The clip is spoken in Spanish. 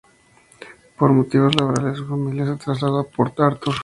Por motivos laborales su familia se trasladó a Port Arthur.